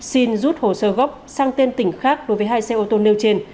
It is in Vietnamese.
xin rút hồ sơ gốc sang tên tỉnh khác đối với hai xe ô tô nêu trên